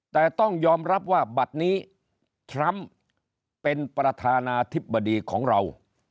แต่ต้องยอมรับว่าบัตรนี้ทรัมป์เป็นประธานาธิบดีของเรา